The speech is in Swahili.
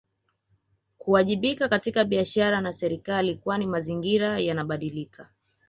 Kuwajibika katika biashara na serikalini kwani mazingira yanabadilika